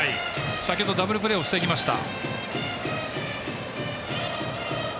先ほどダブルプレーを防ぎました。